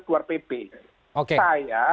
keluar pp saya